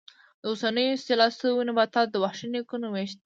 د اوسنیو اصلاح شویو نباتاتو د وحشي نیکونو وېش شته.